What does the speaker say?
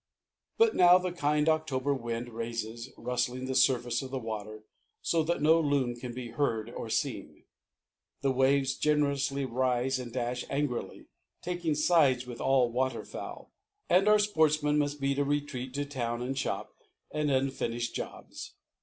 But now the kind October wind raises, rustling the surface of the water, so that no loon can be heard or seen. The waves generously rise and dash angrily, taking sides with all water fowl, and our sportsman must beat a retreat to town and shop and unfinished jobs.